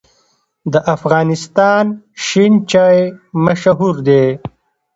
د افغانستان شین چای مشهور دی